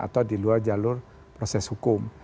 atau di luar jalur proses hukum